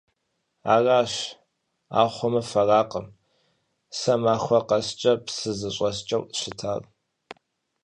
Аращ, ахъумэ фэракъым, сэ махуэ къэскӀэ псы зыщӀэскӀэу щытар.